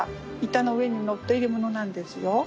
板の上に乗っているものなんですよ。